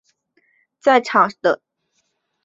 在场上的位置是防守型中场。